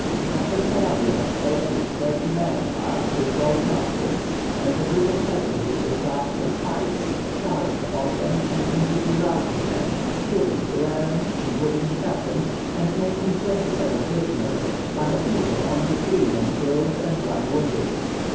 Captain Saravia collected thirty men armed with short muskets, and a group of peasantry with clubs and pikes, charged upon them and completely routed them, killing eleven including the captain, and making twenty seven prisoners, while he had only three men killed and one wounded.